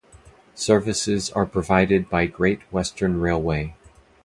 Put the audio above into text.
Services are provided by Great Western Railway.